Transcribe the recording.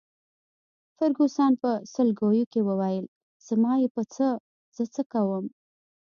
فرګوسن په سلګیو کي وویل: زما يې په څه، زه څه کوم.